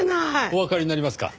おわかりになりますか？